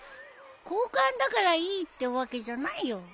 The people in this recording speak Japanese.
交換だからいいってわけじゃないよ。